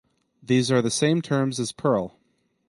These are the same terms as Perl.